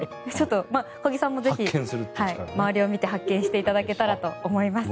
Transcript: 小木さんもぜひ、周りを見て発見していただけたらと思います。